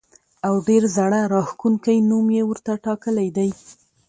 او ډېر زړه راښکونکی نوم یې ورته ټاکلی دی.